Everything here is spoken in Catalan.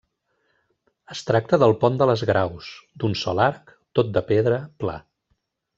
Es tracta del pont de les Graus, d'un sol arc, tot de pedra, pla.